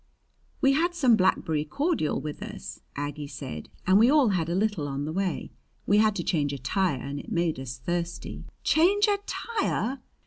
"We had some blackberry cordial with us," Aggie said, "and we all had a little on the way. We had to change a tire and it made us thirsty." "Change a tire!"